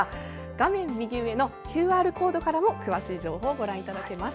画面右上のＱＲコードからも詳しい情報をご覧いただけます。